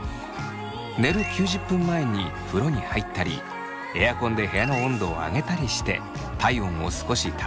寝る９０分前に風呂に入ったりエアコンで部屋の温度を上げたりして体温を少し高めに。